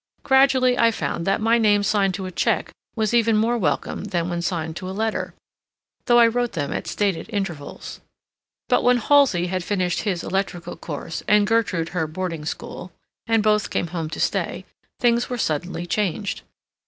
Gradually I found that my name signed to a check was even more welcome than when signed to a letter, though I wrote them at stated intervals. But when Halsey had finished his electrical course and Gertrude her boarding school, and both came home to stay, things were suddenly changed.